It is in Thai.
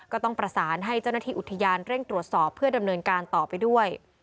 ก็ต้องประสานให้เจ้าหน้าที่อุทยานเร่งตรวจสอบเพื่อดำเนินการต่อไปด้วย